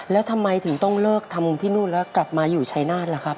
แล้วทำไมถึงต้องเลิกทำที่นู่นแล้วกลับมาอยู่ชายนาฏล่ะครับ